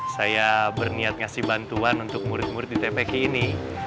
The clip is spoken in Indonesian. saya berniat ngasih bantuan untuk murid murid di tpki ini